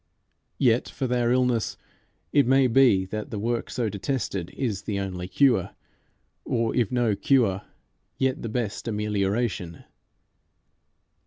Yet for their illness it may be that the work so detested is the only cure, or if no cure yet the best amelioration.